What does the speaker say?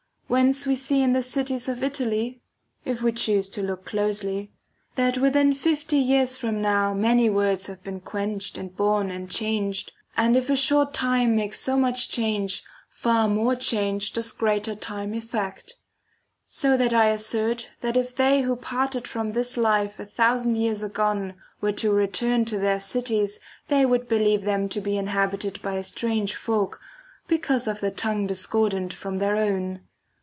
Whence we see in the cities of Italy, if we choose to look closely, that within fifty years from now many words have been quenched and born and changed, 24 THE CONVIVIO Ch. The and if a short time makes [603 so much change virtue of far more change does greater time effect. So * that I assert that if they who parted from this life a thousand years agone were to return to their cities they would believe them to be inhabited by a strange folk, because of the tongue discordant from their own.